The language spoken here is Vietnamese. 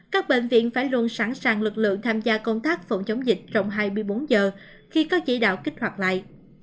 các bệnh viện phải luôn sẵn sàng lực lượng tham gia công tác phòng chống dịch trong hai mươi bốn giờ khi có chỉ đạo kích hoạt lại